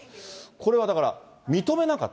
これはだから、認めなかった。